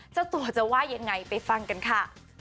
เจ้าตัวจะว่ายังไงไปฟังกันค่ะ